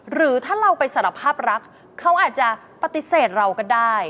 หรือถ้าเราไปสารภาพรักเขาอาจจะปฏิเสธเราก็ได้